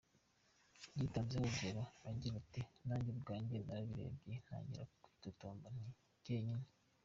Yitanzeho uregero agira ati “Nanjye ubwanjye narayirebye ntangira kwitotomba ndi njyenyine.